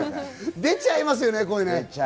声、出ちゃいますよね。